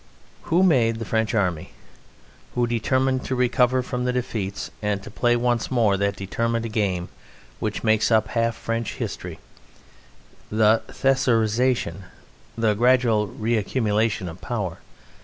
Who made the French army? Who determined to recover from the defeats and to play once more that determined game which makes up half French history, the "Thesaurization," the gradual reaccumulation of power?